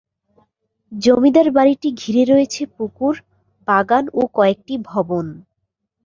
জমিদার বাড়িটি ঘিরে রয়েছে পুকুর, বাগান ও কয়েকটি ভবন।